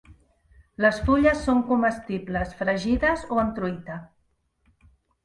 Les fulles són comestibles, fregides o en truita.